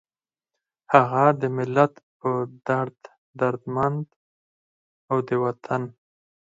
هغه د ملت پۀ دړد دردمند، او د وطن